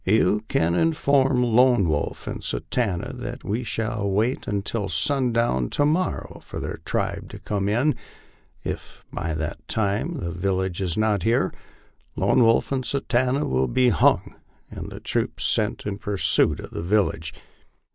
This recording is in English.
You can inform Lone Wolf and Satanta that we shall wait until sundown to mor row for their tribe to come in; if by that time the village is not here, Lone Wolf and Satanta will be hung, and the troops sent in pursuit of the village